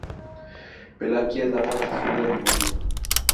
Valaquia es la parte sur de Rumania.